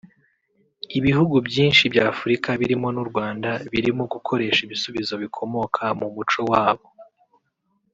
Ibihugu byinshi by’Afurika birimo n’u Rwanda birimo gukoresha ibisubizo bikomoka mu muco wabo